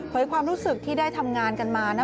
ความรู้สึกที่ได้ทำงานกันมานะ